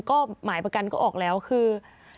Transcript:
ก็หมายประกันก็ออกแล้วคือ